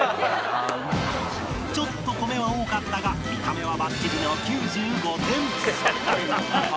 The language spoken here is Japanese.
ちょっと米は多かったが見た目はバッチリの